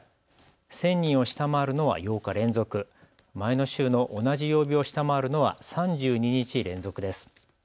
１０００人を下回るのは８日連続、前の週の同じ曜日を下回るのは３２日連続です。